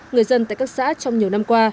người dân tại các xã trong nhiều năm qua